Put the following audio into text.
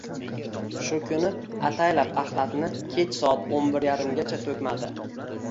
Shu kuni ataylab axlatni kech soat o`n bir yarimgacha to`kmadi